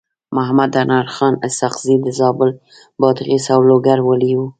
محمد انورخان اسحق زی د زابل، بادغيس او لوګر والي و.